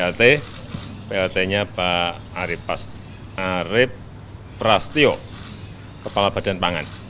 apanya secepatnya kita siapkan